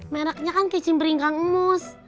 mereknya kan kicimpring kang ibus